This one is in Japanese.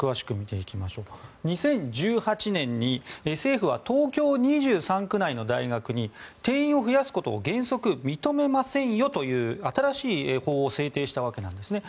２０１８年に政府は東京２３区内の大学に定員を増やすことを原則認めませんよという新しい法を制定したわけなんですね。